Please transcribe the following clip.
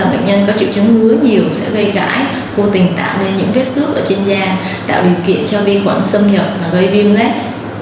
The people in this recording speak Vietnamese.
bệnh nhân có triệu chứng ngứa nhiều sẽ gây gãi vô tình tạo nên những vết xước trên da tạo điều kiện cho vi khuẩn xâm nhập và gây viêm lét